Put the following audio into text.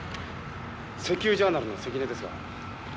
石油ジャーナルの関根ですが。